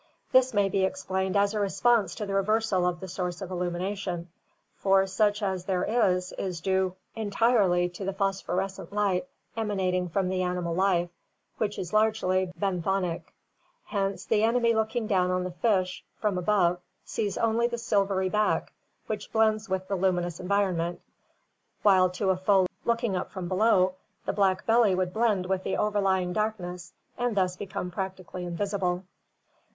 This may be explained as a response to the reversal of the source of illumination, for such as there is is due entirely to the phosphorescent light emanating from the animal life, which is largely benthonic. Hence the enemy looking down on the fish from above sees only the silvery back which blends with the lumi nous environment, while to a foe looking up from below the black 386 ORGANIC EVOLUTION belly would blend with the overlying darkness and thus become practically invisible.